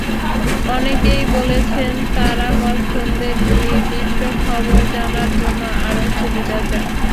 অনেকেই বলেছেন, তাঁরা পছন্দের নির্দিষ্ট খবর জানার জন্য আরও সুবিধা চান।